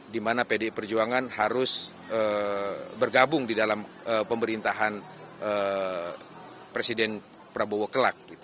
di mana pdi perjuangan harus bergabung di dalam pemerintahan presiden prabowo kelak